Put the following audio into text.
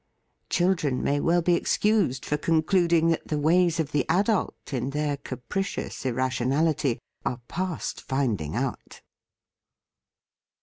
Children may well be excused for concluding that the ways of the adult, in their capricious ir rationality, are past finding out.